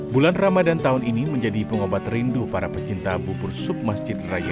bulan ramadan tahun ini menjadi pengobat rindu para pecinta bubur submasjid raya al maksyun